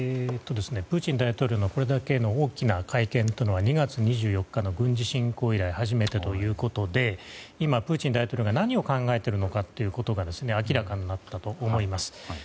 プーチン大統領がこれだけの大きな会見は２月２４日の軍事侵攻以来初めてということで今、プーチン大統領が何を考えているのかということが明らかになったと思います。